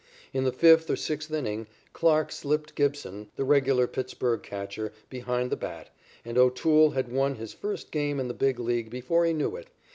In the fifth or sixth inning Clarke slipped Gibson, the regular Pittsburg catcher, behind the bat, and O'Toole had won his first game in the Big League before he knew it.